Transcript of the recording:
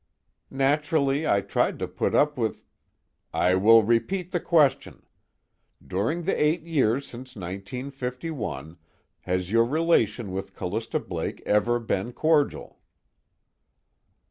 "Naturally I tried to put up with " "I will repeat the question. During the eight years since 1951, has your relation with Callista Blake ever been cordial?"